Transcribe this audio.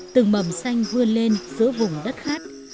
từng mầm xanh vươn lên giữa vùng đất khát